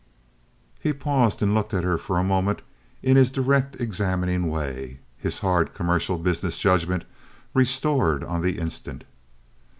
He paused and looked at her for a moment in his direct, examining way, his hard commercial business judgment restored on the instant.